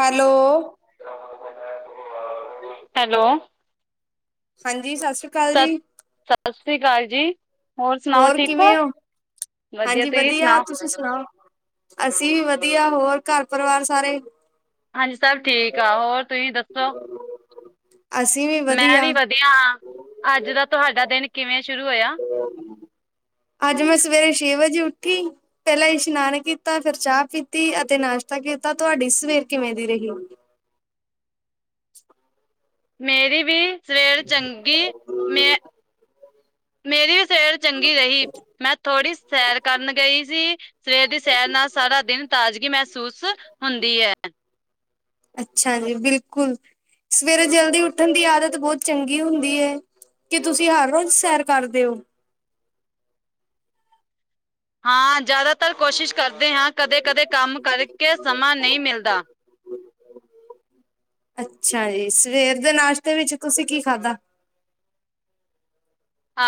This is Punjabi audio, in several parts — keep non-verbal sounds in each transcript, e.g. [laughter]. ਹੈਲੋ [unintelligible] [inaudible] ਹੈਲੋ ਹਾਂਜੀ ਸਤਿ ਸ਼੍ਰੀ ਕਾਲ ਜੀ ਸੱਸ ਸ਼੍ਰੀ ਕਾਲ ਜੀ। ਹੋਰ ਕਿਵੇਂ ਹੋ? ਹਾਂਜੀ ਤੁਸੀਂ ਵਧੀਆ, ਸੁਣਾਓ ਤੁਸੀਂ ਸੁਣਾਓ? ਅਸੀਂ ਵੀ ਵਧੀਆ, ਹੋਰ ਘਰ ਪਰਿਵਾਰ ਸਾਰੇ ਹਾਂਜੀ ਸਭ ਠੀਕ ਆ, ਹੋਰ ਤੁਸੀਂ ਦੱਸੋ? ਅਸੀਂ ਵੀ ਮੈਂ ਵੀ ਵਧੀਆ ਹਾਂ, ਅੱਜ ਦਾ ਤੁਹਾਡਾ ਦਿਨ ਕਿਵੇਂ ਸ਼ੁਰੂ ਹੋਇਆ? ਅੱਜ ਮੈਂ ਸਵੇਰੇ ਛੇ ਵਜੇ ਉੱਠੀ। ਪਹਿਲਾਂ ਇਸ਼ਨਾਨ ਕੀਤਾ, ਫੇਰ ਚਾਹ ਪੀਤੀ ਅਤੇ ਨਾਸ਼ਤਾ ਕੀਤਾ ਤੁਹਾਡੀ ਸਵੇਰ ਕਿਵੇਂ ਦੀ ਰਹੀਓ? ਮੇਰੀ ਵੀ ਸਵੇਰ ਚੰਗੀ, ਮੈਂ ਮੇਰੀ ਸਵੇਰ ਚੰਗੀ ਰਹੀ ਮੈਂ ਥੋੜ੍ਹੀ ਸੈਰ ਕਰਨ ਗਈ ਸੀ। ਸਵੇਰ ਦੀ ਸੈਰ ਨਾਲ ਸਾਰਾ ਦਿਨ ਤਾਜ਼ਗੀ ਮਹਿਸੂਸ ਹੁੰਦੀ ਐ। ਅੱਛਾ ਜੀ, ਬਿਲਕੁਲ ਸਵੇਰੇ ਜਲਦੀ ਉੱਠਣ ਦੀ ਆਦਤ ਬਹੁਤ ਚੰਗੀ ਹੁੰਦੀ ਏ। ਕਿ ਤੁਸੀਂ ਹਰ ਰੋਜ਼ ਸੈਰ ਕਰਦੇ ਹੋ? ਹਾਂ, ਜ਼ਿਆਦਾਤਰ ਕੋਸ਼ਿਸ਼ ਕਰਦੇ ਹਾਂ, ਕਦੇ-ਕਦੇ ਕੰਮ ਕਰਕੇ ਸਮਾਂ ਨਹੀਂ ਮਿਲਦਾ। ਅੱਛਾ ਜੀ, ਸਵੇਰ ਦੇ ਨਾਸ਼ਤੇ ਵਿੱਚ ਤੁਸੀਂ ਕੀ ਖਾਧਾ?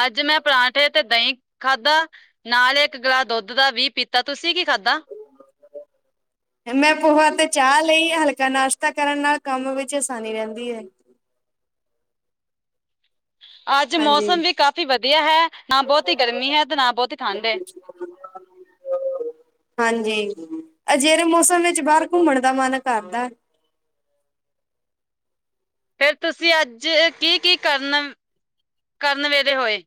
ਅੱਜ ਮੈਂ ਪਰਾਂਠੇ ਤੇ ਦਹੀਂ ਖਾਧਾ, ਨਾਲ ਇੱਕ ਗਲਾਸ ਦੁੱਧ ਦਾ ਵੀ ਪੀਤਾ, ਤੁਸੀਂ ਕੀ ਖਾਧਾ? ਮੈਂ ਪੋਹਾ ਤੇ ਚਾਹ ਲਈ, ਹਲਕਾ ਨਾਸ਼ਤਾ ਕਰਨ ਨਾਲ ਕੰਮ ਵਿੱਚ ਆਸਾਨੀ ਰਹਿੰਦੀ ਹੈ। ਅੱਜ ਹਾਂਜੀ, ਮੌਸਮ ਵੀ ਕਾਫ਼ੀ ਵਧੀਆ ਹੈ, ਨਾ ਬਹੁਤ ਗਰਮੀ ਹੈ ਤੇ ਨਾ ਬਹੁਤੀ ਠੰਡ ਹੈ। [unintelligible] ਹਾਂਜੀ, ਅਜਿੜੇ ਮੌਸਮ ਵਿੱਚ ਬਾਹਰ ਘੁੰਮਣ ਦਾ ਮਨ ਕਰਦਾ। ਫਿਰ ਤੁਸੀਂ ਅੱਜ ਕੀ-ਕੀ ਕਰਨ ਕਰਨ ਵੇਲੇ ਹੋਏ?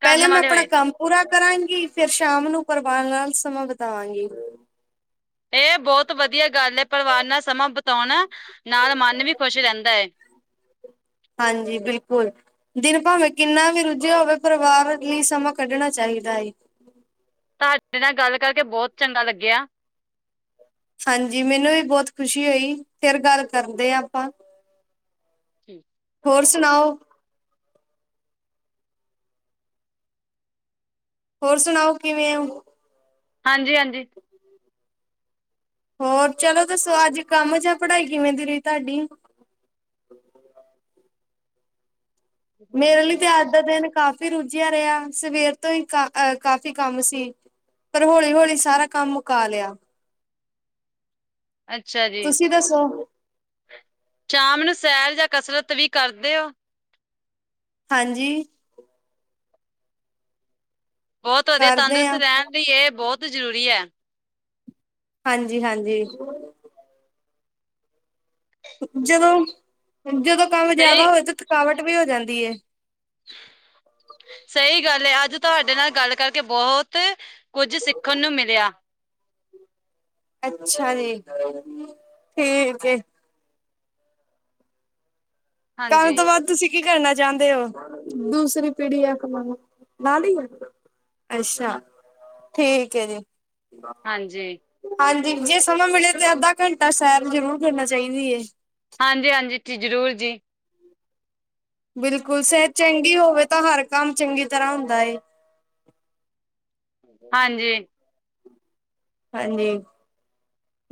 ਕਰਨ ਪਹਿਲੇ ਮੈਂ ਵਾਲੇ ਆਪਣਾ ਹੋਏ ਕੰਮ ਪੂਰਾ ਕਰਾਂਗੀ, ਫੇਰ ਸ਼ਾਮ ਨੂੰ ਪਰਵਾਰ ਨਾਲ ਸਮਾਂ ਬਤਾਵਾਂਗੀ। ਇਹ ਬਹੁਤ ਵਧੀਆ ਗੱਲ ਐ ਪਰਿਵਾਰ ਨਾਲ ਸਮਾਂ ਬਤਾਉਣਾ ਨਾਲ ਮਨ ਵੀ ਖੁਸ਼ ਰਹਿੰਦਾ ਏ। ਹਾਂਜੀ, ਬਿਲਕੁਲ। ਦਿਨ ਭਾਵੇਂ ਕਿੰਨਾ ਵੀ ਰੁੱਝਿਆ ਹੋਵੇ, ਪਰਿਵਾਰ ਲਈ ਸਮਾਂ ਕੱਢਣਾ ਚਾਹੀਦਾ ਏ। ਤੁਹਾਡੇ ਨਾਲ ਗੱਲ ਕਰਕੇ ਬਹੁਤ ਚੰਗਾ ਲੱਗਿਆ। ਹਾਂਜੀ, ਮੈਨੂੰ ਵੀ ਬਹੁਤ ਖੁਸ਼ੀ ਹੋਈ ਫਿਰ ਗੱਲ ਕਰਦੇ ਆ ਆਪਾਂ। ਹੋਰ [inaudible] ਸੁਣਾਓ। ਹੋਰ ਸੁਣਾਓ, ਕਿਵੇਂ ੳ? ਹਾਂਜੀ, ਹਾਂਜੀ। ਹੋਰ ਚਲੋ ਦੱਸੋ, ਅੱਜ ਕੰਮ ਜਾਂ ਪੜ੍ਹਾਈ ਕਿਵੇਂ ਦੀ ਰਹੀ ਤੁਹਾਡੀ? ਮੇਰੇ ਲਈ ਤੇ ਅੱਜ ਦਾ ਦਿਨ ਕਾਫ਼ੀ ਰੁੱਝਿਆ ਰਿਹਾ, ਸਵੇਰ ਤੋਂ ਹੀ ਕਾ ਅਹ ਕਾਫੀ ਕੰਮ ਸੀ। ਪਰ ਹੌਲੀ-ਹੌਲੀ ਸਾਰਾ ਕੰਮ ਮੁਕਾ ਲਿਆ। ਅੱਛਾ ਜੀ ਤੁਸੀਂ ਦੱਸੋ? ਸ਼ਾਮ ਨੂੰ ਸੈਰ ਜਾਂ ਕਸਰਤ ਵੀ ਕਰਦੇ ਹੋ? ਹਾਂਜੀ। ਬਹੁਤ ਵਧੀਆ ਕਰਦੇ ਤੰਦਰੁਸਤ ਆ ਰਹਿਣ ਲਈ ਇਹ ਬਹੁਤ ਜ਼ਰੂਰੀ ਹੈ। ਹਾਂਜੀ, ਹਾਂਜੀ। ਜਦੋਂ-ਜਦੋਂ ਕੰਮ ਜਿਆਦਾ ਹੋਵੇ ਸਹੀ ਤਾਂ, ਥਕਾਵਟ ਵੀ ਹੋ ਜਾਂਦੀ ਹੈ। ਸਹੀ ਗੱਲ ਅੱਜ ਤੁਹਾਡੇ ਨਾਲ ਗੱਲ ਕਰਕੇ ਬਹੁਤ ਕੁਝ ਸਿੱਖਣ ਨੂੰ ਮਿਲਿਆ। ਅੱਛਾ ਜੀ, ਠੀਕ ਹੈ। ਕਰਨ ਹਾਂਜੀ ਤੋਂ ਬਾਅਦ ਤੁਸੀਂ ਕੀ ਕਰਨਾ ਚਾਹੁੰਦੇ ਹੋ? ਦੂਸਰੀ ਪੀੜੀ ਆ ਕਮਾਉ ਨਾ ਲਈ ਆ। ਅੱਛਾ, ਠੀਕ ਹੈ ਜੀ। ਹਾਂਜੀ, ਹਾਂਜੀ, ਜੇ ਸਮਾਂ ਮਿਲੇ ਤੇ ਅੱਧਾ ਘੰਟਾ ਸੈਰ ਜ਼ਰੂਰ ਕਰਨਾ ਚਾਹੀਦੀ ਹੈ। ਹਾਂਜੀ, ਹਾਂਜੀ ਜੀ, ਜ਼ਰੂਰ ਜੀ। ਬਿਲਕੁਲ ਸਿਹਤ ਚੰਗੀ ਹੋਵੇ ਤਾਂ, ਹਰ ਕੰਮ ਚੰਗੀ ਤਰ੍ਹਾਂ ਹੁੰਦਾ। ਹਾਂਜੀ। ਹਾਂਜੀ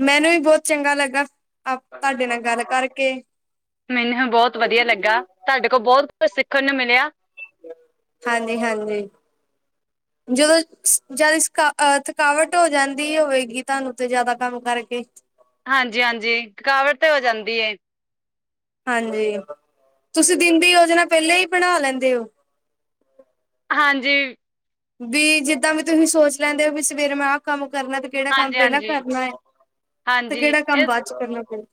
ਮੈਨੂੰ ਵੀ ਬਹੁਤ ਚੰਗਾ ਲੱਗਾ, ਆਪ ਤੁਹਾਡੇ ਨਾਲ ਗੱਲ ਕਰਕੇ। ਮੈਨੂੰ ਬਹੁਤ ਵਧੀਆ ਲੱਗਾ, ਤੁਹਾਡੇ ਕੋਲ ਬਹੁਤ ਕੁਛ ਸਿੱਖਣ ਨੂੰ ਮਿਲਿਆ। ਹਾਂਜੀ, ਹਾਂਜੀ। ਜਦੋਂ ਜਿਆਦਾ ਥਕਾ ਥਕਾਵਟ ਹੋ ਜਾਂਦੀ ਹੋਵੇਗੀ, ਤੁਹਾਨੂੰ ਤੇ ਜਿਆਦਾ ਕੰਮ ਕਰਕੇ। ਹਾਂਜੀ-ਹਾਂਜੀ, ਥਕਾਵਟ ਤੇ ਹੋ ਜਾਂਦੀ ਏ। ਹਾਂਜੀ, ਤੁਸੀਂ ਦਿਨ ਦੀ ਯੋਜਨਾ ਪਹਿਲਾਂ ਹੀ ਬਣਾ ਲੈਂਦੇ ਹੋ। ਹਾਂਜੀ। ਵੀ ਜਿੱਦਾਂ ਵੀ ਤੁਸੀਂ ਸੋਚ ਲੈਂਦੇ ਹੋ ਵੀ ਸਵੇਰੇ ਮੈਂ ਆਹ ਕੰਮ ਕਰਨਾ ਤੇ। ਕਿਹੜਾ ਕੰਮ ਹਾਂਜੀ ਪਹਿਲਾਂ ਹਾਂਜੀ ਕਰਨਾ ਹੈ, ਤੇ ਹਾਂਜੀ ਕਿਹੜਾ ਕੰਮ ਇਹ ਬਾਅਦ ਚ ਕਰਨਾ ਪਦਾ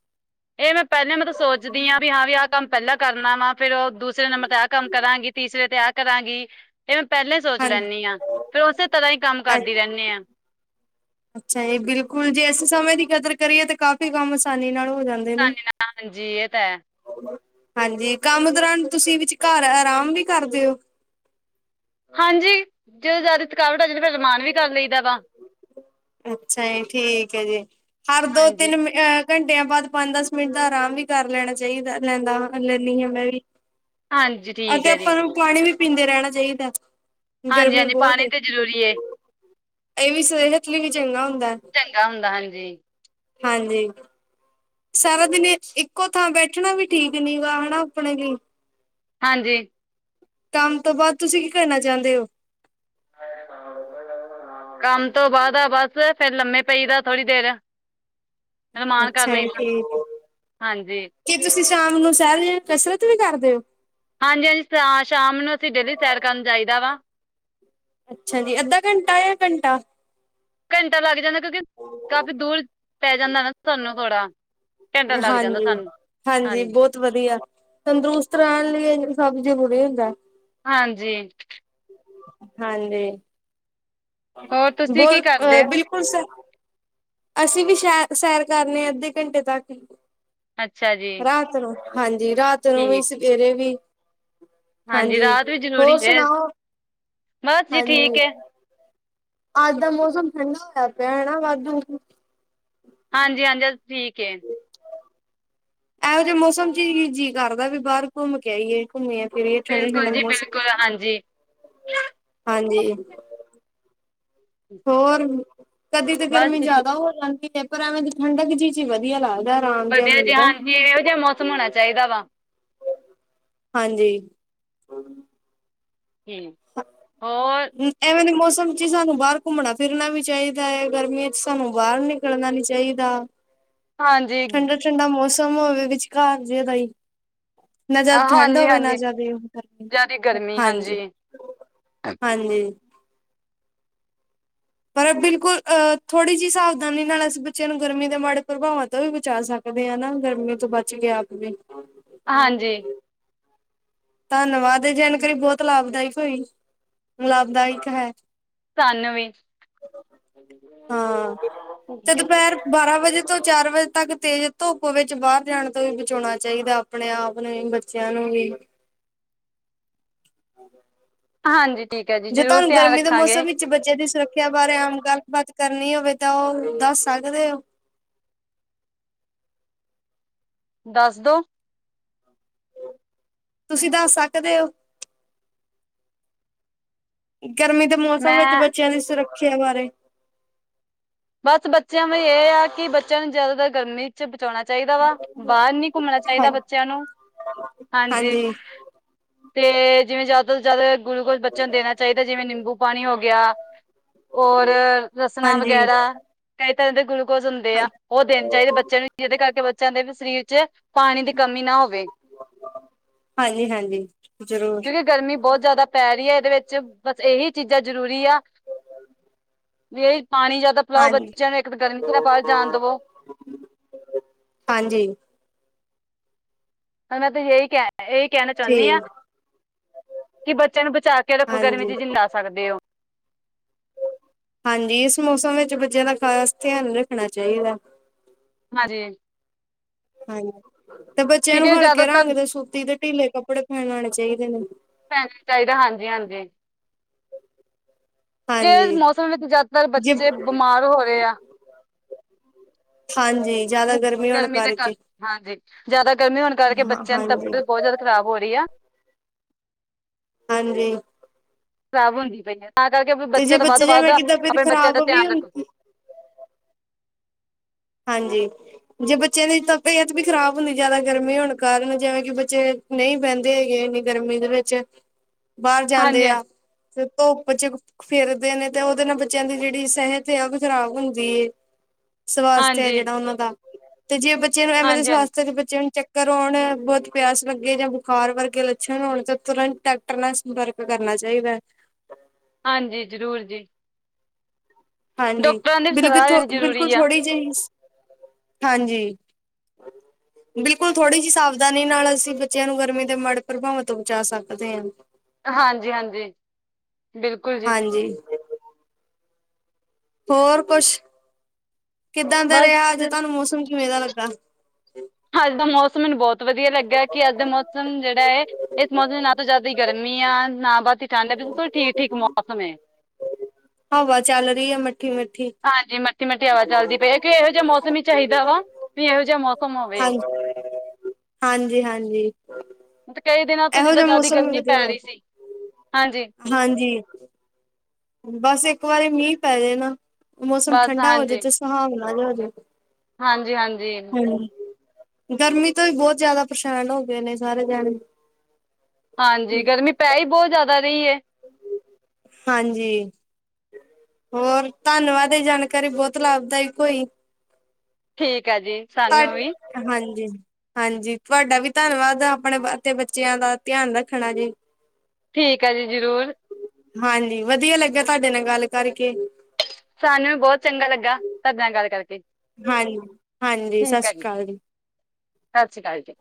ਇਹ ਮੈਂ ਪਹਿਲਾਂ ਮੈਂ ਤਾਂ ਸੋਚਦੀ ਹਾਂ ਵੀ, ਹਾਂ ਵੀ ਆਹ ਕੰਮ ਪਹਿਲਾਂ ਕਰਨਾ ਵਾ, ਫੇਰ ਉਹ ਦੂਸਰੇ ਨੰਬਰ ਤੇ ਆਹ ਕੰਮ ਕਰਾਂਗੀ। ਤੀਸਰੇ ਤੇ ਆਹ ਕਰਾਂਗੀ, ਇਹ ਮੈਂ ਪਹਿਲਾਂ ਹੀ ਸੋਚ ਲੈਂਦੀ ਹਾਂਜੀ ਹਾਂ, ਫੇਰ ਉਸੇ ਤਰ੍ਹਾਂ ਹੀ ਕੰਮ ਕਰਦੀ ਰਹਿੰਦੇ ਹਾਂ। ਅੱਛਾ ਜੀ ਬਿਲਕੁਲ ਜੇ ਇਸ ਸਮੇਂ ਦੀ ਕਦਰ ਕਰੀਏ ਤਾਂ, ਕਾਫ਼ੀ ਕੰਮ ਆਸਾਨੀ ਨਾਲ ਹੋ ਜਾਂਦਾ। ਨ ਹਾਂਜੀ, ਇਹ ਤਾਂ ਹੈ। ਹਾਂਜੀ, ਕੰਮ ਦੌਰਾਨ ਤੁਸੀਂ ਵਿਚ ਘਰ ਆਰਾਮ ਵੀ ਕਰਦੇ ਹੋ। ਹਾਂਜੀ ਜਦੋਂ ਜ਼ਿਆਦਾ ਥਕਾਵਟ ਆ, ਰਾਮ ਵੀ ਕਰ ਲਈਦਾ ਵਾ। ਅੱਛਾ ਜੀ ਠੀਕ ਹੈ ਜੀ, ਹਰ ਦੋ ਹਾਂਜੀ ਤਿੰਨ ਘੰਟਿਆਂ ਬਾਅਦ, ਪੰਜ ਦਸ ਮਿੰਟ ਦਾ ਆਰਾਮ ਵੀ ਕਰ ਲੈਣਾ ਚਾਹੀਦਾ ਲੈਂਦਾ, ਲੈਂਦੀ ਹਾਂ ਮੈਂ ਵੀ। ਹਾਂਜੀ ਆ ਠੀਕ ਤੇ ਹੈ ਆਪਾਂ ਜੀ ਨੂੰ ਪਾਣੀ ਵੀ ਪੀਂਦੇ ਰਹਿਣਾ ਚਾਹੀਦਾ। ਹਾਂਜੀ ਗਰਮੀ ਹਾਂਜੀ ਬਹੁਤ ਪਾਣੀ ਏ ਤਾਂ ਜ਼ਰੂਰੀ। ਇਹ ਵੀ ਸਹਿਤ ਲਈ ਵੀ ਚੰਗਾ ਹੁੰਦਾ। ਚੰਗਾ ਹੁੰਦਾ ਹਾਂਜੀ। ਹਾਂਜੀ। ਸਾਰਾ ਦਿਨ ਇੱਕੋ ਥਾਂ ਬੈਠਣਾ ਵੀ ਠੀਕ ਨੀ ਗਾ ਹਨਾ, ਆਪਣੇ ਲਈ। ਹਾਂਜੀ। ਕੰਮ ਤੋਂ ਬਾਅਦ ਤੁਸੀਂ ਕੀ ਕਰਨਾ ਚਾਹੁੰਦੇ ਹੋ? [unintelligible] ਕੰਮ ਤੋਂ ਬਾਅਦ ਆ ਬਸ, ਫੇਰ ਲੰਮੇ ਪਈ ਦਾ ਥੋੜੀ ਦੇਰ। ਰਮਾਨ ਕਰ ਅੱਛਾ ਇਹ ਲਈਦਾ ਠ ਹਾਂਜੀ ਕੀ ਤੁਸੀਂ ਸ਼ਾਮ ਨੂੰ ਸਹਿਾਰ ਕਸਰਤ ਵੀ ਕਰਦੇ ਹੋ। ਹਾਂਜੀ ਹਾਂਜੀ ਸ਼ਾਮ ਨੂੰ ਅਸੀਂ ਡੇਲੀ ਸੈਰ ਕਰਨ ਚਾਹੀਦਾ ਵਾ। ਅੱਛਾ ਜੀ ਅੱਧਾ ਘੰਟਾ ਜਾਂ ਘੰਟਾ। ਘੰਟਾ ਲੱਗ ਜਾਂਦਾ ਕਿਉਂਕਿ, ਕਾਫ਼ੀ ਦੂਰ ਪੈ ਜਾਂਦਾ ਨਾ। ਸਾਨੂੰ ਥੋੜਾ, ਘੰਟਾ ਲੱਗ ਜਾਂਦਾ ਹਾਂਜੀ, ਸਾਨੂੰ ਹਾਂਜੀ। ਵਧੀਆ ਤੰਦਰੁਸਤ ਰਹਿਣ ਲਈ ਸਭ ਜ਼ਰੂਰੀ ਹੁੰਦਾ। ਹਾਂਜੀ ਹਾਂਜੀ ਹੋਰ ਤੁਸੀਂ ਕੀ ਬਹੁਤ ਆ ਕਰਦੇ ਹੋ ਬਿਲਕੁਲ ਅਸੀਂ ਵੀ ਸੈਰ ਸੈਰ ਕਰਨੇ ਆ ਅੱਧੇ ਘੰਟੇ ਤੱਕ ਹੀ ਅੱਛਾ ਜੀ ਰਾਤ ਨੂੰ ਹਾਂਜੀ ਰਾਤ ਨੂੰ ਵੀ ਠੀਕ ਸਵੇਰੇ ਵੀ ਹਾਂਜੀ ਰਾਤ ਵੀ ਹੋਰ ਜ਼ਰੂਰੀ ਹੈ। ਸੁਣਾਓ ਬਸ ਜੀ ਠੀਕ ਹਾਂਜੀ ਹੈ ਅੱਜ ਦਾ ਮੌਸਮ ਠੰਡਾ ਹੋਇਆ ਪਿਆ ਹੈ ਵਾਧੂ ਹਾਂਜੀ ਹਾਂਜੀ ਠੀਕ ਏ ਮੋ ਜਦੇ ਮੌਸਮ ਚ ਜੀਅ ਕਰਦਾ ਵੀ ਬਾਹਰ ਘੁੰਮ ਕੇ ਆਈਏ। ਘੁੰਮੀੀਆਂ ਫਿਰਰੀਏ ਠੰਡਾ ਬਿਲਕੁਲ ਠੰਡਾ ਜੀ ਮੌਸਮ, ਬਿਲਕੁਲ ਹਾਂਜੀ। ਹਾਂਜੀ। ਹੋਰ ਕਦੇ ਤਾਂ ਬਸ ਗਰਮੀ ਜੀ ਠੀ- ਜਿਆਦਾ ਹੋ ਜਾਂਦੀ ਹੈ, ਪਰ ਐਵੇਂ ਦੀ ਠੰਡਕ ਜੀਜ਼ ਜੀ ਵਧੀਆ ਲੱਗਦਾ ਆਰਾਮ ਜਿਹਾ ਵਧੀਆ ਮਿਲਦਾ [unintelligible] ਹੋਣਾ ਚਾਹੀਦਾ ਵਾ। ਹਾਂਜੀ [unintelligible] ਹੋਰ [unintelligible] ਐਵੇਂ ਦੇ ਮੌਸਮ ਚ ਸਾਨੂੰ ਬਾਹਰ ਘੁੰਮਣਾ ਫਿਰਨਾ ਵੀ ਚਾਹੀਦਾ ਹੈ ਗਰਮੀਆਂ ਚ ਸਾਨੂੰ ਬਾਹਰ ਨਿਕਲਣਾ ਨੀ ਚਾਹੀਦਾ ਹਾਂਜੀ ਬੜਾ ਠੰਡਾ ਮੌਸਮ ਹੋਵੇ ਵਿਚਕਾਰ ਜੇਦਾ ਹੀ ਨਾ ਜ਼ਿਆਦਾ ਠੰਡ ਹੋਵੇ ਨਾ ਹਾਂਜੀ-ਹਾਂਜੀ ਜ਼ਿਆਦਾ ਕਰ ਜ਼ਿਆਦਾ ਗਰਮੀ ਹਾਂਜੀ ਹਾਂਜੀ ਪਰ ਬਿਲਕੁਲ ਅਹ ਥੋੜੀ ਜਿਹੀ ਸਾਵਧਾਨੀ ਨਾਲ ਅਸੀਂ ਬੱਚਿਆਂ ਨੂੰ ਗਰਮੀ ਦੇ ਮਾੜੇ ਪ੍ਰਭਾਵਾਂ ਤੋਂ ਵੀ ਬਚਾ ਸਕਦੇ ਕਦੇ ਆ ਨਾ ਗਰਮੀ ਤੋਂ ਬਚ ਗਿਆ ਆਪ ਵੀ ਹਾਂਜੀ ਧੰਨਵਾਦ ਇਹ ਜਾਣਕਾਰੀ ਬਹੁਤ ਲਾਭਦਾਇਕ ਹੋਈ ਲਾਭਦਾਇਕ ਹੈ ਸਾਨੂੰ ਵੀ ਹਾਂ ਤੇ [unintelligible] ਦੁਪਹਿਰ ਬਾਰਾਂ ਵਜੇ ਤੋਂ ਚਾਰ ਵਜੇ ਤੱਕ ਤੇਜ਼ ਧੁੱਪ ਵਿੱਚ ਬਾਹਰ ਜਾਣ ਤੋਂ ਵੀ ਬਚਾਉਣਾ ਚਾਹੀਦਾ ਆਪਣੇ ਆਪ ਨੂੰ ਵੀ ਬੱਚਿਆਂ ਨੂੰ ਵੀ ਹਾਂ ਹਾਂਜੀ ਠੀਕ ਹੈ ਜੀ ਜ਼ਰੂਰ ਧਿਆਨ ਰੱਖਾਂਗੇ ਬੱਚੇ ਦੀ ਸੁਰੱਖਿਆ ਬਾਰੇ ਆਮ ਗੱਲਬਾਤ ਕਰਨੀ ਹੋਵੇ ਤਾਂ ਓ, ਦੱਸ ਸਕਦੇ ਓ? ਦੱਸ ਦੋ। ਤੁਸੀਂ ਦੱਸ ਸਕਦੇ ਓ? ਗਰਮੀ ਦੇ ਮੌਸਮ ਵਿੱਚ ਮੈਂ ਬੱਚਿਆਂ ਦੀ ਸੁਰੱਖਿਆ ਬਾਰੇ ਬਸ ਬੱਚਿਆਂ ਵ ਇਹ ਆ ਕਿ ਬੱਚਿਆਂ ਨੂੰ ਜਿਆਦਾਤਰ ਗਰਮੀ ਬਚਾਉਣਾ ਚਾਹੀਦਾ ਵਾ ਬਾਹਰ ਨੀ ਘੁੰਮਣਾ ਚਾਹੀਦਾ ਹਾਂਜੀ ਬੱਚਿਆਂ ਨੂੰ ਹਾਂਜੀ ਤੇ ਜਿਵੇਂ ਜਿਆਦਾ ਤੋਂ ਜਿਆਦਾ ਗਲੂਕੋਜ ਬੱਚਣ ਨੂੰ ਦੇਣਾ ਚਾਹੀਦਾ ਜਿਵੇਂ ਨਿੰਬੂ ਪਾਣੀ ਹੋ ਗਿਆ ਔਰ ਰਸਣਾ ਹਾਂਜੀ ਵਗੈਰਾ ਕਈ ਤਰ੍ਹਾਂ ਦੇ ਗਲੂਕੋਜ ਹੁੰਦੇ ਆ ਹਾਂਜੀ ਉਹ ਦੇਣੇ ਚਾਹੀਦੇ ਬੱਚਿਆਂ ਨੂੰ ਜਿਹਦੇ ਕਰਕੇ ਬੱਚਿਆਂ ਦੇ ਵੀ ਸਰੀਰ ਚ ਪਾਣੀ ਦੀ ਕਮੀ ਨਾ ਹੋਵੇ। ਹਾਂਜੀ ਹਾਂਜੀ ਜ਼ਰੂਰ ਕਿਉਂਕਿ ਗਰਮੀ ਬਹੁਤ ਜ਼ਿਆਦਾ ਪੈ ਰਹੀ ਏ ਇਹਦੇ ਵਿੱਚ ਬਸ ਇਹੀ ਚੀਜ਼ਾਂ ਜ਼ਰੂਰੀ ਆ, ਵੀ ਪਾਣੀ ਜਿਆਦਾ ਲਾਓ ਹਾਂਜੀ ਬੱਚਿਆਂ ਨੂੰ ਇੱਕ ਗੱਲ ਨੀ ਤਰ੍ਹਾਂ ਪਾ ਜਾਣ ਦੇਵੋ [unintelligible] ਹਾਂਜੀ। ਹਨਾ ਤੇ ਹੇਹੀ ਕਹਿ ਇਹੀ ਕਹਿਣਾ ਚਾਂਨੀਂ ਆ, ਠੀਕ ਕਿ ਬੱਚਿਆਂ ਨੂੰ ਬਚਾ ਕੇ ਰੱਖੋ ਗਰਮੀ ਹਾਂਜੀ 'ਚ ਜਿਨ ਬਚਾ ਸਕਦੇ ਓ। ਹਾਂਜੀ, ਇਸ ਮੌਸਮ ਵਿੱਚ ਬੱਚਿਆਂ ਦਾ ਖਾਸ ਧਿਆਨ ਰੱਖਣਾ ਚਾਈਦਾ। ਹਾਂਜੀ। ਹਾਂਜੀ, ਤੇ ਬੱਚਿਆਂ ਨੂੰ ਕਿਉਂਕਿ ਹਲਕੇ ਰੰਗ ਜ਼ਿਆਦਾਤਰ ਦੇ ਸੂਤੀ ਤੇ ਢੀਲੇ ਕੱਪੜੇ ਪਹਿਣਾਨੇ ਚਾਈਦੇ ਨੇ। ਪਹਿ‌ਨੇ ਚਾਈਦੇ ਹਾਂਜੀ-ਹਾਂਜੀ। ਜੇ ਏਸ ਹਾਂਜੀ। ਮੌਸਮ ਵਿੱਚ ਜਿਆਦਾਤਰ ਜੇ ਬੱਚੇ, ਬਿਮਾਰ ਹੋ ਰੇ ਆ। ਹਾਂਜੀ, ਜਿਆਦਾ ਗਰਮੀ ਹੋਣ ਦੇ ਕਰ ਕਰਕੇ। ਹਾਂਜੀ, ਜਿਆਦਾ ਗਰਮੀ ਹੋਣ ਕਰਕੇ, ਹਾਂ ਬੱਚਿਆਂ ਦੀ ਹਾਂਜੀ। ਤਬੀਅਤ ਬਹੁਤ ਜਿਆਦਾ ਖ਼ਰਾਬ ਹੋ ਰੀ ਆ। ਹਾਂਜੀ। ਖਰਾਬ ਹੁੰਦੀ ਪਈ ਏ, ਤਾਂ ਕਰਕੇ ਤੇ ਜੇ ਬੱਚਿਆਂ ਦਾ ਵੱਧ ਬੱਚੇ ਤੋਂ ਵੱਧ ਜਿਵੇਂ ਕਿ ਤਬੀਅਤ ਆਪਣੇ ਬੱਚਿਆਂ ਦਾ ਖ਼ਰਾਬ ਵੀ ਧਿਆਨ ਹੁੰ ਰੱਖੋ। ਹਾਂਜੀ, ਜੇ ਬੱਚਿਆਂ ਦੀ ਤਬੀਅਤ ਵੀ ਖ਼ਰਾਬ ਹੁੰਦੀ ਜਿਆਦਾ ਗਰਮੀ ਹੋਣ ਕਾਰਨ, ਜਿਵੇਂ ਕਿ ਬੱਚੇ ਨਈਂ ਬਹਿੰਦੇ ਹੈਗੇ, ਇੰਨੀ ਗਰਮੀ ਦੇ ਵਿੱਚ, ਬਾਹਰ ਹਾਂਜੀ ਹਾਂਜੀ ਜਾਂਦੇ ਆ ਤੇ ਧੁੱਪ ਚ ਫਿਰਦੇ ਨੇ ਤੇ ਉਹਦੇ ਨਾਲ ਬੱਚਿਆਂ ਦੀ ਜਿਹੜੀ ਸਿਹਤ ਯਾ, ਉਹ ਵੀ ਖ਼ਰਾਬ ਹੁੰਦੀ ਏ। ਸਵਾਸਥ ਹੈ ਹਾਂਜੀ ਜਿਹੜਾ ਉਹਨਾਂ ਦਾ, ਤੇ ਜੇ ਬੱਚਿਆਂ ਨੂੰ ਐਵੇਂ ਦੇ ਹਾਂਜੀ ਹਾਂਜੀ ਸਵਾਸਥਤ 'ਚ' ਬੱਚਿਆਂ ਨੂੰ ਚੱਕ ਕਰ ਆਉਣ ਬਹੁਤ ਪਿਆਸ ਲੱਗੇ ਜਾਂ, ਬੁਖਾਰ ਵਰਗੇ ਲੱਛਣ ਹੋਣ ਤੇ, ਤੁਰੰਤ ਟੈਕਟਰ ਨਾਲ ਵਰਕ ਕਰਨਾ ਚਾਹੀਦੈ ਹਾਂਜੀ, ਜ਼ਰੂਰ ਜੀ। ਹਾਂਜੀ, ਡਾਕਟਰਾਂ ਦੀ ਵੀ ਬਿਲਕੁਲ ਸਲਾਹ ਥ ਲੈਣੀ ਬਿਲਕੁਲ ਜ਼ਰੂਰੀ ਆ ਥੋੜ੍ਹੀ ਜਿਹੀ, ਹਾਂਜੀ। [inaudible] ਬਿਲਕੁਲ ਥੋੜ੍ਹੀ ਜੀ ਸਾਵਧਾਨੀ ਨਾਲ ਅਸੀਂ ਬੱਚਿਆਂ ਨੂੰ ਗਰਮੀ ਦੇ ਮਾੜੇ ਪ੍ਰਭਾਵਾਂ ਤੋਂ ਬਚਾ ਸਕਦੇ ਆਂ। ਹਾਂਜੀ-ਹਾਂਜੀ, ਬਿਲਕੁਲ ਜੀ। ਹਾਂਜੀ। ਹੋਰ ਕੁਸ਼, ਕਿੱਦਾਂ ਦੇ ਬਸ ਰਿਹਾ, ਅੱਜ ਤਾਂਨੂੰ ਮੌਸਮ ਕਿਵੇਂ ਦਾ ਲੱਗਾ? ਹੱਜ ਦਾ ਮੌਸਮ, ਮੈਨੂੰ ਬਹੁਤ ਵਧੀਆ ਲੱਗਿਆ ਕਿ ਅੱਜ ਦੇ ਮੌਸਮ ਜਿਹੜਾ ਏ, ਇਸ ਮੌਸਮ 'ਚ ਨਾ ਤੋਂ ਜ਼ਿਆਦਾਈ ਗਰਮੀ ਆ, ਨਾ ਬਹੁਤੀ ਠੰਡ ਏ ਬਿਲਕੁਲ ਠੀਕ-ਠੀਕ ਮੌਸਮ ਏ। ਹਵਾ ਚੱਲ ਰੀਆ ਮਿੱਠੀ-ਮਿੱਠੀ। ਹਾਂਜੀ ਮਿੱਠੀ-ਮਿੱਠੀ ਹਵਾ ਚੱਲਦੀ ਪਈ ਕਿ, ਇਹੋ ਜਿਹਾ ਮੌਸਮ ਹੀ ਚਾਈਦਾ ਵਾ, ਵੀ ਇਹੋ ਜਿਹਾ ਮੌਸਮ ਹੋਵੇ। [inaudible] ਹਾਂਜੀ-ਹਾਂਜੀ। ਤੇ ਕਈ ਦਿਨਾਂ ਤੋਂ ਇਹੋ ਜਿੱਦਾਂ ਜਿਹਾ ਜ਼ਿਆਦਾ ਮੌਸਮ ਗਰਮੀ ਵਧੀਆ ਪੈ ਰਈ ਸੀ, ਲੱਗਦਾ ਹਾਂਜੀ। ਹਾਂਜੀ। ਬਸ ਇੱਕ ਵਾਰੀ ਮੀਂਹ ਪੈਜਾ, ਨਾ ਮੌਸਮ ਬਸ ਠੰਡਾ ਹੋਜੇ ਤੇ ਸੁਹਾਵਨਾ ਜਾ ਹੋਜੇ। ਹਾਂਜੀ-ਹਾਂਜੀ। ਗਰਮੀ ਤੋਂ ਵੀ ਬਹੁਤ ਜ਼ਿਆਦਾ ਪ੍ਰੇਸ਼ਾਨ ਹੋ ਗਏ ਨੇ ਸਾਰੇ ਜਾਣੇ। ਹਾਂਜੀ, ਗਰਮੀ ਪੈ ਈ ਬਹੁਤ ਜ਼ਿਆਦਾ ਰੀ ਏ। ਹਾਂਜੀ। ਹੋਰ, ਧੰਨਵਾਦ ਇਹ ਜਾਣਕਾਰੀ, ਬੋਤ ਲਾਭਦਾਇਕ ਹੋਈ। ਠੀਕ ਐ ਜੀ। ਸਾਨੂੰ ਵੀ [unintelligible] ਹਾਂਜੀ, ਹਾਂਜੀ ਤੁਵਾਡਾ ਵੀ ਧੰਨਵਾਦ ਆਪਣੇ ਬ ਤੇ ਬੱਚਿਆਂ ਦਾ ਧਿਆਨ ਰੱਖਣਾ ਜੀ। ਠੀਕ ਐ ਜੀ ਜ਼ਰੂਰ। ਹਾਂਜੀ, ਵਧੀਆ ਲੱਗਿਆ ਤਾਡੇ ਨਾਲ ਗੱਲ ਕਰਕੇ। ਸਾਨੂੰ ਵੀ ਬਹੁਤ ਚੰਗਾ ਲੱਗਾ, ਤਹਾਡੇ ਨਾਲ ਗੱਲ ਕਰਕੇ। ਹਾਂਜੀ ਹਾਂਜੀ, ਸਤਿ ਠੀਕ ਹੈ ਸ਼੍ਰੀ ਅਕਾਲ ਜੀ। ਸਤਿ ਸ਼੍ਰੀ ਅਕਾਲ ਜੀ।